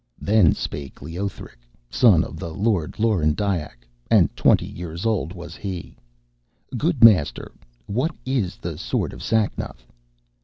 Then spake Leothric, son of the Lord Lorendiac, and twenty years old was he: 'Good Master, what of the sword Sacnoth?'